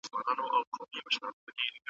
اوس خو راغلی یمه پیره ستنېدلای نه سم